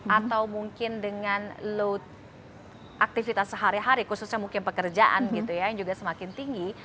atau mungkin dengan load aktivitas sehari hari khususnya mungkin pekerjaan gitu ya yang juga semakin tinggi